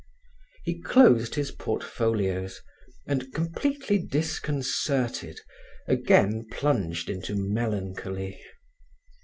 He closed his portfolios and, completely disconcerted, again plunged into melancholy.